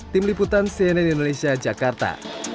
tim liputan cnn indonesia jakarta